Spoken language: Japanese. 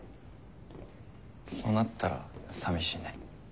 そうなったら寂しいね。